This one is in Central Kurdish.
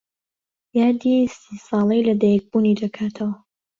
یادی سی ساڵەی لەدایکبوونی دەکاتەوە.